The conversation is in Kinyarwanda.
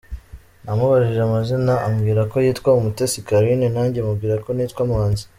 Namubajije amazina ambwira ko yitwa Umutesi Carine nanjye mubwira ko nitwa Manzi.